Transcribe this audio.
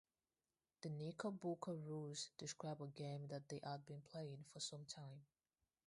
The Knickerbocker Rules describe a game that they had been playing for some time.